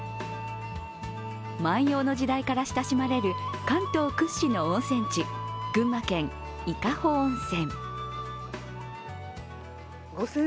万葉の時代から親しまれる関東屈指の温泉地、群馬県・伊香保温泉。